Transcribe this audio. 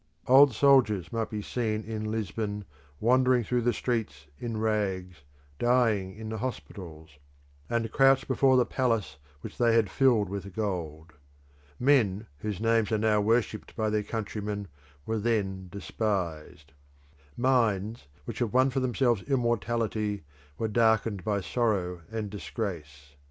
Old soldiers might be seen in Lisbon wandering through the streets in rags, dying in the hospitals, and crouched before the palace which they had filled with gold. Men whose names are now worshipped by their countrymen were then despised. Minds which have won for themselves immortality were darkened by sorrow and disgrace.